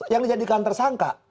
yang dijadikan tersangka